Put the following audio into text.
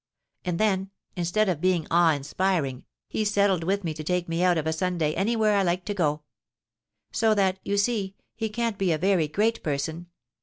And then, instead of being awe inspiring, he settled with me to take me out of a Sunday anywhere I liked to go. So that, you see, he can't be a very great person.